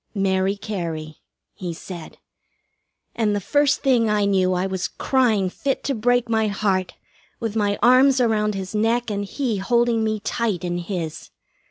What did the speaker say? "Mary Cary," he said. And the first thing I knew I was crying fit to break my heart, with my arms around his neck, and he holding me tight in his.